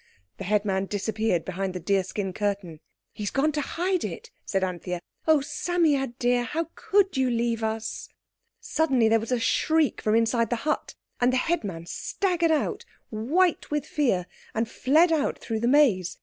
The headman disappeared behind the deer skin curtain. "He's gone to hide it," said Anthea. "Oh, Psammead dear, how could you leave us!" Suddenly there was a shriek from inside the hut, and the headman staggered out white with fear and fled out through the maze.